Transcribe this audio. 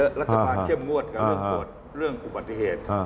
เข้ามาเชื่อมงวดกับเรื่องอุบัติเหตุ